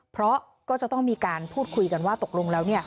เพราะก็จะต้องมีการพูดคุยกันว่าตกลงแล้ว